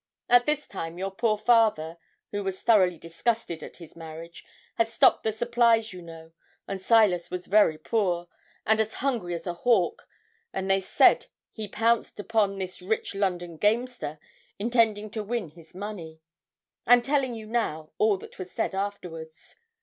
At this time your poor father, who was thoroughly disgusted at his marriage, had stopped the supplies, you know, and Silas was very poor, and as hungry as a hawk, and they said he pounced upon this rich London gamester, intending to win his money. I am telling you now all that was said afterwards.